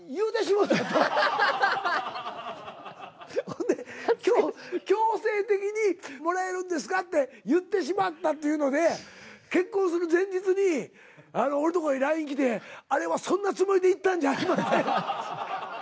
ほんで強制的に「もらえるんですか？」って言ってしまったっていうので結婚する前日に俺のとこへＬＩＮＥ来て「あれはそんなつもりで言ったんじゃありません」。